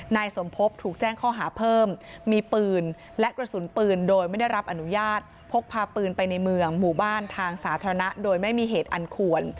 นายสมพบถูกแจ้งข้อหาเพิ่มมีปืนและกระสุนปืนโดยไม่ได้รับอนุญาตพกพาปืนไปในเมืองหมู่บ้านทางสาธารณะโดยไม่มีเหตุอันควร